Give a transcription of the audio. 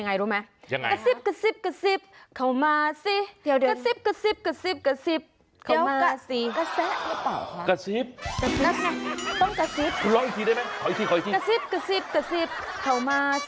นั่นแหละค่ะ